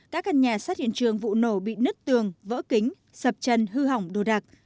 các căn nhà sát hiện trường vụ nổ bị nứt tường vỡ kính sập chân hư hỏng đồ đạc